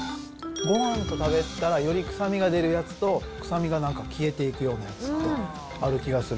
ごはんと食べたら、より臭みが出るやつと、臭みがなんか消えていくようなやつがある気がする。